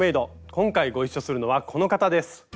今回ご一緒するのはこの方です。